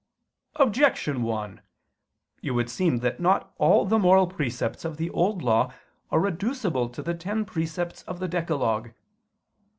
Objection 1: It would seem that not all the moral precepts of the Old Law are reducible to the ten precepts of the decalogue.